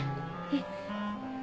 えっ？